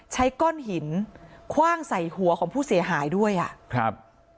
ใช้ก้อนหินคว่างใส่หัวของผู้เสียหายด้วยอ่ะครับ